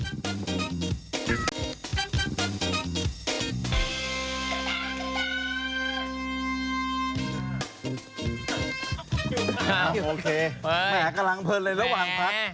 โอเคแหมกระลังเพิ่นเลยระหว่างแพทน์